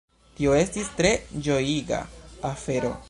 Tio estis tre ĝojiga afero.